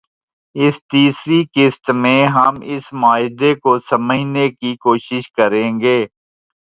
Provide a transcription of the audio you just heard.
اس تیسری قسط میں ہم اس معاہدے کو سمجھنے کی کوشش کریں گے